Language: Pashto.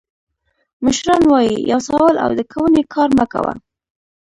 مشران وایي: یو سوال او د کونې کار مه کوه.